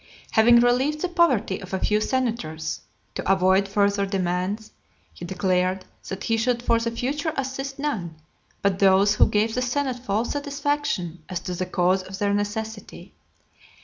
Having relieved the poverty of a few senators, to avoid further demands, he declared that he should for the future assist none, but those who gave the senate full satisfaction as to the cause of their necessity.